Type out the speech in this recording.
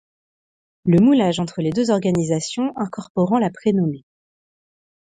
Le moulage entre les deux organisations incorporant la pré-nommée.